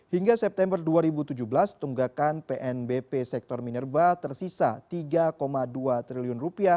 hingga september dua ribu tujuh belas tunggakan pnbp sektor minerba tersisa rp tiga dua triliun